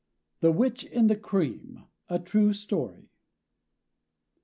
THE WITCH IN THE CREAM. A TRUE STORY.